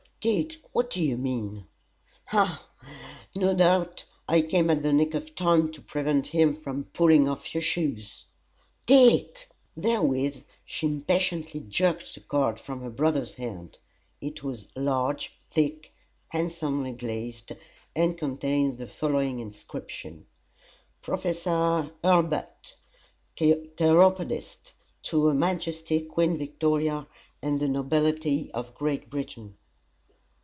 "Dick, what do you mean?" "Ha! ha! no doubt I came at the nick of time to prevent him from pulling off your shoes." "DICK!" Therewith she impatiently jerked the card from her brother's hand. It was large, thick, handsomely glazed, and contained the following inscription: PROFESSOR HURLBUT, Chiropodist To her Majesty Queen Victoria, and the Nobility of Great Britain.